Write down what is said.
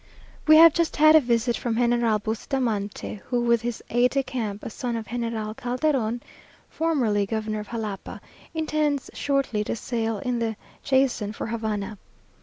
We have just had a visit from General Bustamante, who, with his aide de camp, a son of General Calderon (formerly governor of Jalapa), intends shortly to sail in the Jason for Havana.